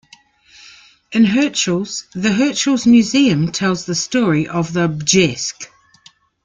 In Hirtshals, the Hirtshals Museum tells the story of the "bjesk".